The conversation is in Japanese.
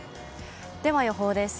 では予報です。